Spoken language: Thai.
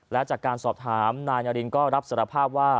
และจากการสอบถามนายนารินก็รับสารภาพว่า